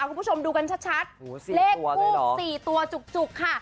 คุณผู้ชมดูกันชัดชัดโหสี่ตัวเลยเหรอเลขกลุ่มสี่ตัวจุกจุกค่ะ